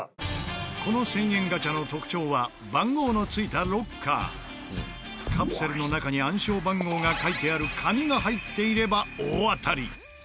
この１０００円ガチャの特徴はカプセルの中に暗証番号が書いてある紙が入っていれば大当たり。